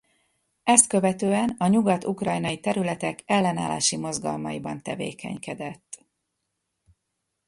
Ezt követően a nyugat-ukrajnai területek ellenállási mozgalmaiban tevékenykedett.